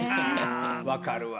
あ分かるわ。